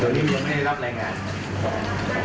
ตอนนี้มันไม่ได้รับรายงาน